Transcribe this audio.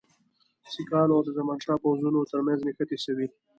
سیکهانو او د زمانشاه پوځونو ترمنځ نښتې سوي.